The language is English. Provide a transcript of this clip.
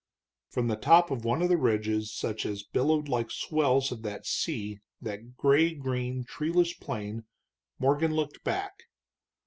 From the top one of the ridges such as billowed like swells of the sea that gray green, treeless plain, Morgan looked back.